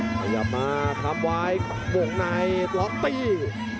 พยายามมาทำวายกล่องในล็อกตี